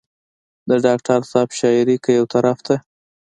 د ډاکټر صېب شاعري کۀ يو طرف ته